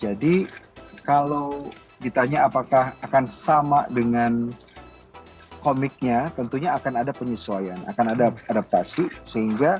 jadi kalau ditanya apakah akan sama dengan komiknya tentunya akan ada penyesuaian akan ada adaptasi